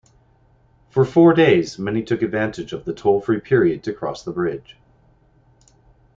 For four days, many took advantage of the toll-free period to cross the bridge.